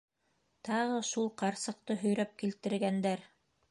Тағы шул ҡарсыҡты һөйрәп килтергәндәр!